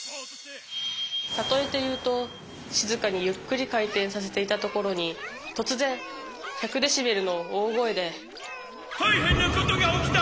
例えて言うと静かにゆっくり回転させていたところに突然１００デシベルの大声で大変なことが起きた！